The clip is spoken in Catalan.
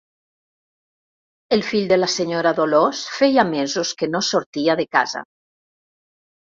El fill de la senyora Dolors feia mesos que no sortia de casa.